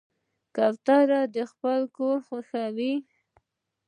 کوتره خپل کور خوښوي.